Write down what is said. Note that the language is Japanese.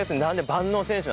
万能選手。